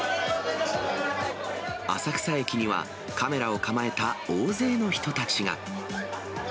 浅草駅には、カメラを構えた大勢の人たちが。